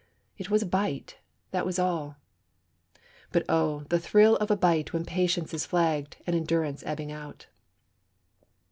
It was a bite; that was all. But, oh, the thrill of a bite when patience is flagging and endurance ebbing out!